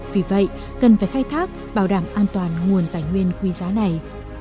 vì vậy cần phải khai thác bảo đảm an toàn nguồn tài nguyên quý giá này